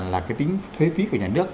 là cái tính thuế phí của nhà nước